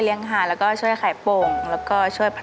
รักมากรักมากทั้งสองคนเลยครับ